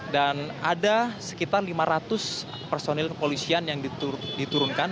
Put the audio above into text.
dan ada sekitar lima ratus personil polisian yang diturunkan